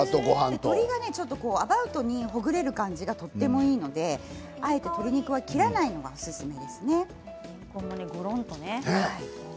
鶏がアバウトにほぐれる感じがいいのであえて鶏肉を切らないのがおすすめです。